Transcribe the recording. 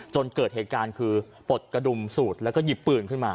จนเกิดเหตุการณ์คือปลดกระดุมสูตรแล้วก็หยิบปืนขึ้นมา